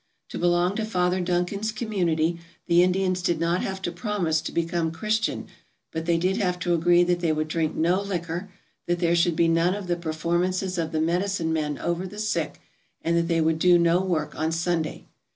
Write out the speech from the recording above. To belong to Father Duncan's community the Indians did not have to promise to become Christians but they did have to agree that they would drink no liquor, that there should be none of the performances of the medicine men over the sick, and that they would do no work on Sunday.